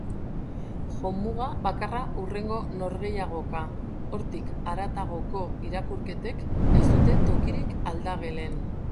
Jomuga bakarra hurrengo norgehiagoka, hortik haratagoko irakurketek ez dute tokirik aldagelen.